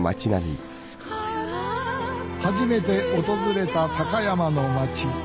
初めて訪れた高山の町。